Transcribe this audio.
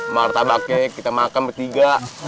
mantabaknya kita makan bertiga ya